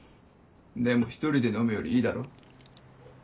でも１人で飲むよりいいだろ？